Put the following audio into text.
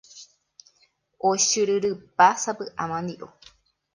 Ochyryrypa sapy'a mandi'o